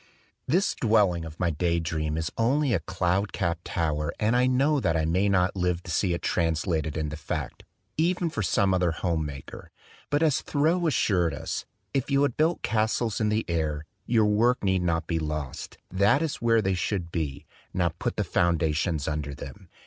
This dwelling of my day dream is only a cloud capped tower and I know that I may not live to see it translated into fact, even for some other home maker. But as Thoreau assured us, "If you have built castles in the air, your work need not be lost; that is where they should be. Now put the foundations under them."